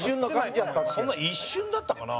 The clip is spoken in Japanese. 山崎：そんな一瞬だったかな？